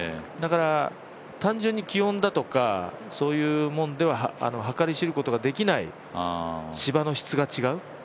だから単純に気温だとかそういうものでは計り知ることができない芝の質が違う。